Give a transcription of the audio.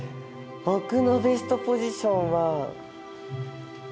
僕のベストポジションは。